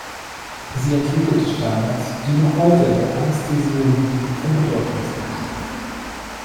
Sie entwickelte Standards, die noch heute in der Anästhesiologie von Bedeutung sind.